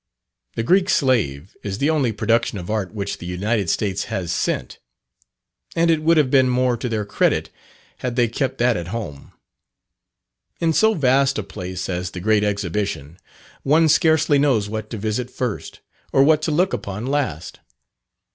The "Greek Slave" is the only production of Art which the United States has sent. And it would have been more to their credit had they kept that at home. In so vast a place as the Great Exhibition one scarcely knows what to visit first, or what to look upon last.